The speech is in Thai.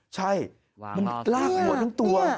ใช่มันลากวัวทั้งตัว